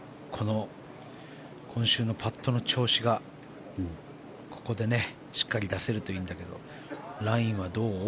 今週のパットの調子がここでしっかり出せるといいんだけどラインはどう？